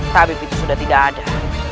tabib itu sudah tidak ada